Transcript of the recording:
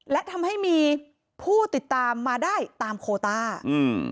และทำให้มีผู้ติดตามมาได้ตามโคต้าอืม